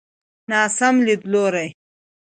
ناسم ليدلوری.